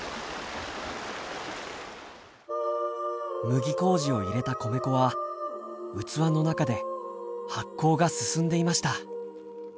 麦麹を入れた米粉は器の中で発酵が進んでいました。